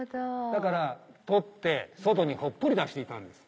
だから取って外にほっぽり出していたんです。